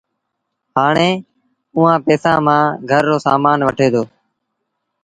هآريٚ اُئآݩ پئيٚسآݩ مآݩ گھر رو سامآݩ وٺي دو